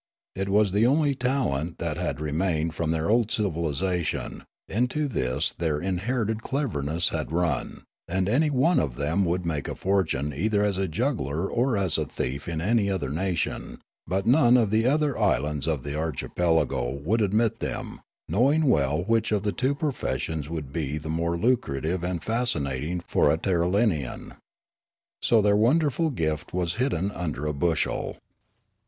It was the only talent that had remained from their old civilisation ; into this their in herited cleverness had run ; and any one of them would make a fortune either as a juggler or as a thief in any other nation ; but none of the other islands of the archipelago would admit them, knowing well which of the two professions would be the more lucrative and fascinating for a Tirralarian. So their wonderful gift was hidden under a b.ushel.